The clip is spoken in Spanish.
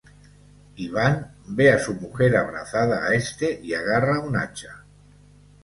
Iván ve a su mujer abrazada a este y agarra un hacha.